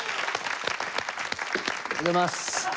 おはようございます。